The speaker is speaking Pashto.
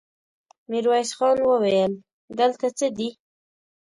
ميرويس خان وويل: دلته څه دي؟